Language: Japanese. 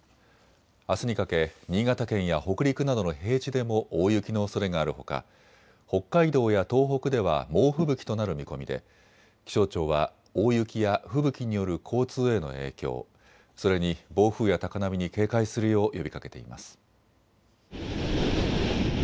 あすにかけ新潟県や北陸などの平地でも大雪のおそれがあるほか北海道や東北では猛吹雪となる見込みで気象庁は大雪や吹雪による交通への影響、それに暴風や高波に警戒するよう呼びかけています。